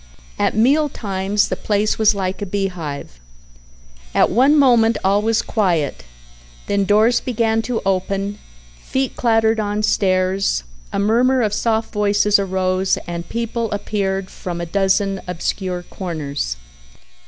At meal times the place was like a beehive. At one moment all was quiet, then doors began to open, feet clattered on stairs, a murmur of soft voices arose and people appeared from a dozen obscure corners.